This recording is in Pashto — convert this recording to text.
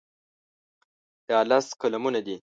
دا لس قلمونه دي.